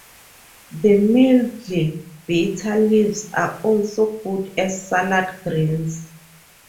The mildly bitter leaves are also good as salad greens.